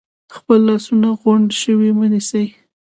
خپل لاسونه غونډ شوي مه نیسئ،